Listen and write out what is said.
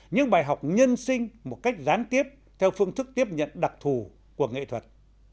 những bài học nhân sinh một cách gián tiếp theo phương thức tiếp nhận đặc thù của nghệ thuật